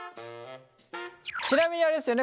ちなみにあれですよね